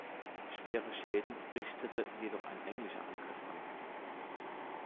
Schwere Schäden richtete jedoch ein englischer Angriff an.